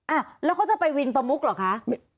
อ่ะแล้วเขาจะไปวินประมุกเหรอคะ